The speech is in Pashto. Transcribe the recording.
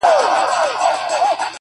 هغه مه ښوروه ژوند راڅخـه اخلي؛